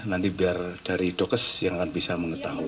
nanti biar dari dokes yang akan bisa mengetahui